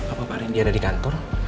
apa pak rindy ada di kantor